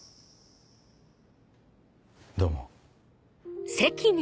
どうも。